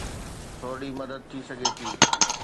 ٿورڙي مدد ٿي سگهي ٿي